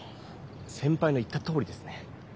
先ぱいの言ったとおりですね。